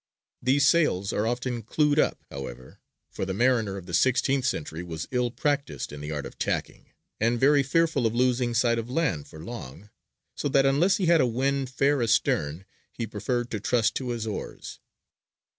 These sails are often clewed up, however, for the mariner of the sixteenth century was ill practised in the art of tacking, and very fearful of losing sight of land for long, so that unless he had a wind fair astern he preferred to trust to his oars.